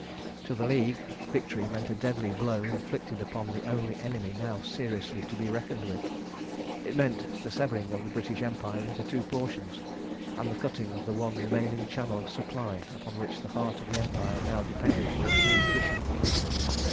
To the League, victory meant a deadly blow inflicted upon the only enemy now seriously to be reckoned with. It meant the severing of the British Empire into two portions, and the cutting of the one remaining channel of supply upon which the heart of the Empire now depended for its nutrition.